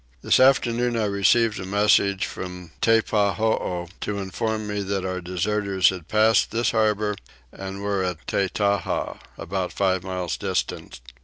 This afternoon I received a message from Teppahoo to inform me that our deserters had passed this harbour and were at Tettaha, about five miles distant.